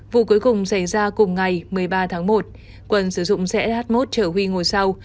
vụ cuối cùng xảy ra cùng ngày một mươi ba tháng một quân sử dụng rẽ h một chở huy ngồi sau